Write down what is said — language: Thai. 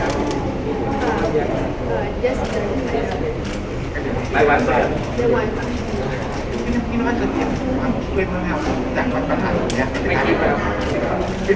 หลายวันสัก